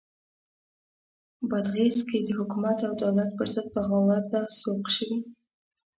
بغدیس کې د حکومت او دولت پرضد بغاوت ته سوق شوي.